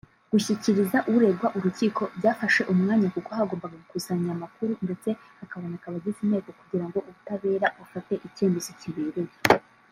”Gushyikiriza uregwa urukiko byafashe umwanya kuko hagombaga gukusanya amakuru ndetse hakaboneka abagize inteko kugirango ubutabera bufate icyemezo kibereye”